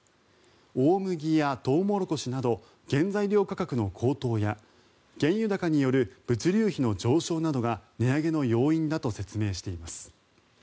大麦やトウモロコシなど原材料価格の高騰や原油高による物流費の上昇などが値上げの要因だと説明しています。